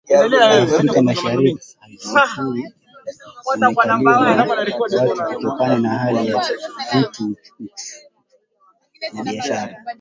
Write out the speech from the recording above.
Afrika mashariki hazikuwa zimekaliwa na watu Kutokana na hali ya vita uchungaji na biashara